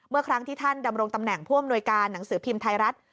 เมื่อครั้งที่ท่านดำรงตำแหน่งผู้อำนวยการหนังสือพิมพ์ไทยรัฐ